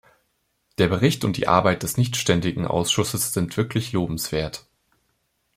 Der Bericht und die Arbeit des nichtständigen Ausschusses sind wirklich lobenswert.